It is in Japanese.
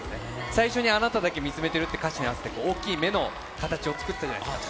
最初にあなただけ見つめてるって歌詞に合わせて、大きい目の形を作ってたじゃないですか。